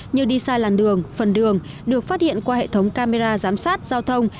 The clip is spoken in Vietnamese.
như đi sai làn đường phần đường được phát hiện qua hệ thống camera giám sát giao thông